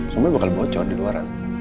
semuanya bakal bocor di luaran